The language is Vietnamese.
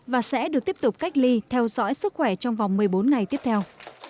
và sẽ được tiếp tục cách ly theo dõi sức khỏe trong vòng một mươi bốn ngày tiếp theo